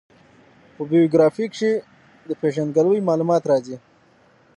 په بېوګرافي کښي د پېژندګلوي معلومات راځي.